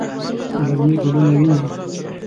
للمي ګلونه ویني